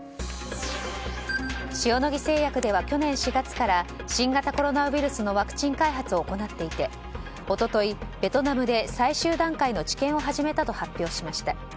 塩野義製薬では去年４月から新型コロナウイルスのワクチン開発を行っていて一昨日、ベトナムで最終段階の治験を始めたと発表しました。